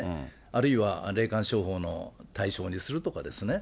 あるいは霊感商法の対象にするとかですね。